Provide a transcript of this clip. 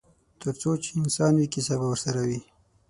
ترڅو چې انسان وي کیسه به ورسره وي.